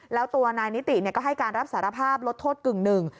แล้วตัวนายนิติก็ให้การรับสารภาพลดโทษกึ่งหนึ่ง